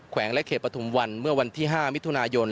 วงและเขตปฐุมวันเมื่อวันที่๕มิถุนายน